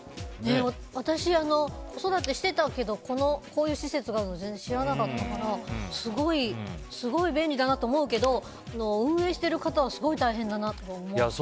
私、子育てしてたけどこういう施設があるの全然知らなかったからすごい便利だなと思うけど運営している方はすごい大変だなと思って。